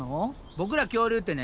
ボクら恐竜ってね